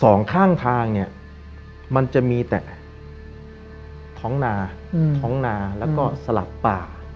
สองข้างทางเนี่ยมันจะมีแต่ท้องนาท้องนาแล้วก็สลับป่า